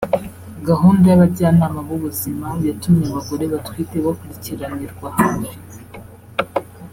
Gahunda y’abajyanama b’ubuzima yatumye abagore batwite bakurikiranirwa hafi